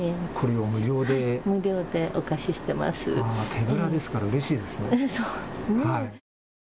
手ぶらですからうれしいですね。